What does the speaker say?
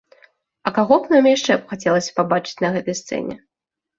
А каго б нам яшчэ хацелася пабачыць на гэтай сцэне?